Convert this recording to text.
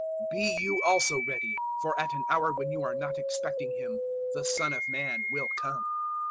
012:040 Be you also ready, for at an hour when you are not expecting Him the Son of Man will come."